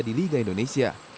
di liga satu indonesia